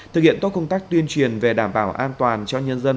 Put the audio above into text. thực hiện tốt công tác tuyên truyền về đảm bảo an toàn cho nhân dân